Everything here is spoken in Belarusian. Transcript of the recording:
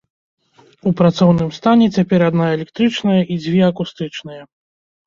У працоўным стане цяпер адна электрычная і дзве акустычныя.